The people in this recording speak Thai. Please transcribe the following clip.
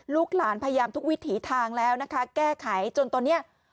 ลูกหลานพยายามทุกวิถีทางแล้วนะคะแก้ไขจนตอนนี้